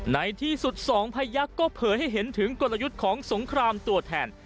ในที่สุดสองพยักษ์ก็เผยให้เห็นถึงกลยุทธ์ของสงครามตัวแทน